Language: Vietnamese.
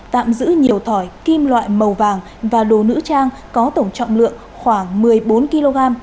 tạm giữ nhiều thỏi kim loại màu vàng và đồ nữ trang có tổng trọng lượng khoảng một mươi bốn kg